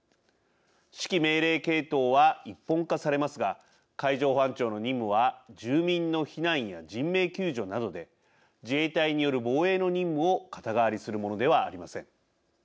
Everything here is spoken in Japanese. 指揮命令系統は一本化されますが海上保安庁の任務は住民の避難や人命救助などで自衛隊による防衛の任務を肩代わりするものではありません。